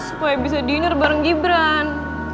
supaya bisa diner bareng gibran